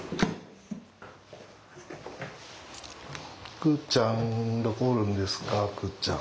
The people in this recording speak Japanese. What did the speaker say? くうちゃんどこおるんですかくうちゃん。